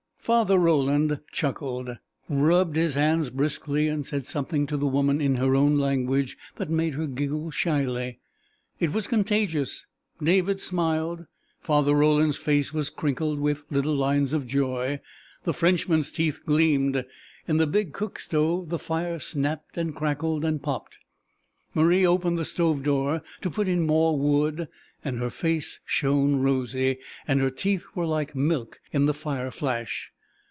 Father Roland chuckled, rubbed his hands briskly, and said something to the woman in her own language that made her giggle shyly. It was contagious. David smiled. Father Roland's face was crinkled with little lines of joy. The Frenchman's teeth gleamed. In the big cook stove the fire snapped and crackled and popped. Marie opened the stove door to put in more wood and her face shone rosy and her teeth were like milk in the fire flash.